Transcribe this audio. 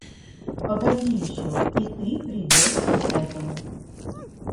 Погоди еще, и ты придешь к этому.